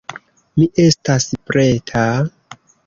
Mi estas preta...